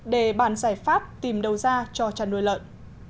để bàn giải pháp tìm đầu ra cho chăn nuôi lợn